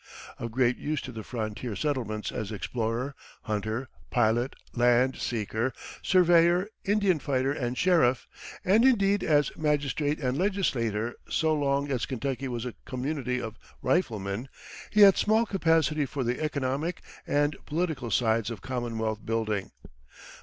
Of great use to the frontier settlements as explorer, hunter, pilot, land seeker, surveyor, Indian fighter, and sheriff and, indeed, as magistrate and legislator so long as Kentucky was a community of riflemen he had small capacity for the economic and political sides of commonwealth building.